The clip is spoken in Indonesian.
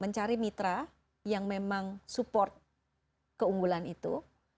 mencari mitra yang memang support keunggulan itu